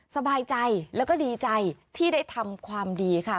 สบายใจแล้วก็ดีใจที่ได้ทำความดีค่ะ